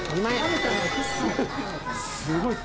すごい。